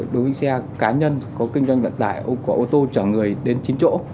đối với xe cá nhân có kinh doanh vận tải có ô tô chở người đến chính chỗ